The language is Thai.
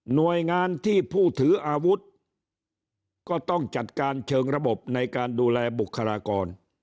หน่วยงานที่ผู้ถืออาวุธก็ต้องจัดการเชิงระบบในการดูแลบุคลากร